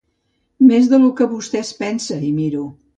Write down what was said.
Més de lo que vostè es pensa hi miro.